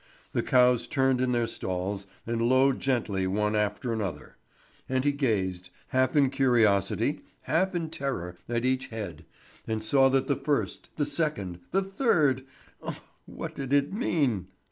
The cows turned in their stalls and lowed gently one after another; and he gazed, half in curiosity, half in terror, at each head, and saw that the first, the second, the third ugh, what did it mean!